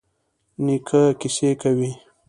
نیکه کیسې کوي.